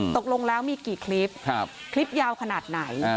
ตกลงแล้วมีกี่คลิปคลิปยาวขนาดไหน